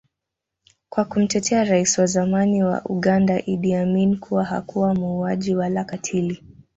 kwa kumtetea rais wa zamani wa Uganda Idi Amin kuwa hakuwa muuaji Wala katili